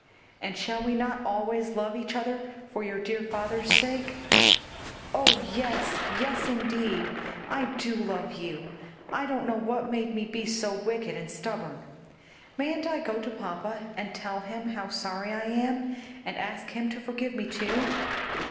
"And shall we not always love each other for your dear father's sake?" "Oh, yes, yes, indeed! I do love you! I don't know what made me be so wicked and stubborn. Mayn't I go to papa and tell him how sorry I am, and ask him to forgive me too?"